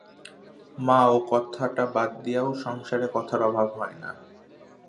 মা, ও কথাটা বাদ দিয়াও সংসারে কথার অভাব হয় না।